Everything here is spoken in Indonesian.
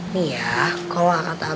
nih ya kalo gak kata abang